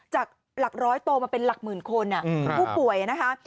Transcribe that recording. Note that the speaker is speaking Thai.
จากหลักร้อยโตมาเป็นหลักหมื่นคนผู้ป่วยนะคะ